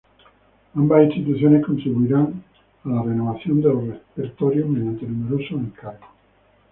Ambas instituciones contribuirían a la renovación de los repertorios mediante numerosos encargos.